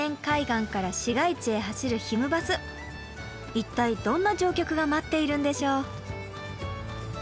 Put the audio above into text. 一体どんな乗客が待っているんでしょう。